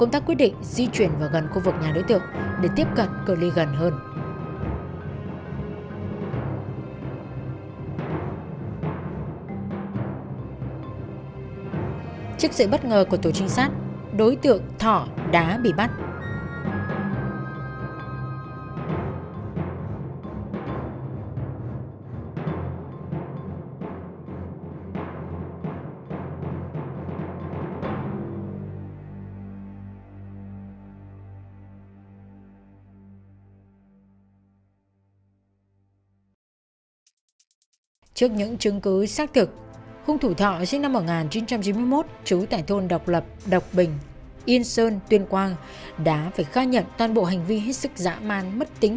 tại cuộc thực nghiệm điều tra nhân dân vô cùng phấn nộ với hành vi của bị can